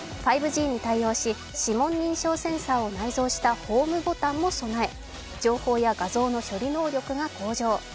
５Ｇに対応し、指紋認証センサーをい内蔵したホームボタンも備え、情報や画像の処理能力が向上。